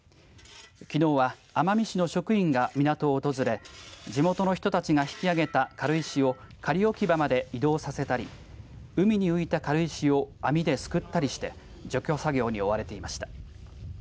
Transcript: きのうは奄美市の職員が港を訪れ地元の人たちが引き揚げた軽石を仮置き場まで移動させたり海に浮いた軽石を網で、すくったりして除去作業に追われていました。